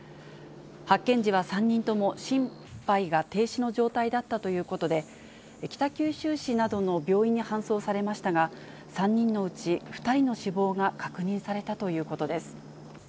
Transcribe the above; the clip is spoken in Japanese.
発見時は３人とも心肺が停止の状態だったということで、北九州市などの病院に搬送されましたが、３人のうち２人の死亡が確認されたということです。